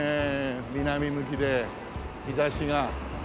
南向きで日差しが。